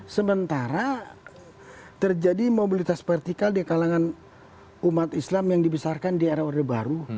sementara terjadi mobilitas vertikal di kalangan umat islam yang dibesarkan di era order baru